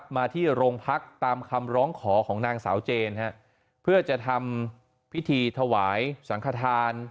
มาที่โรงพักตามคำร้องขอของนางสาวเจนเพื่อจะทำพิธีถวายสังขทาน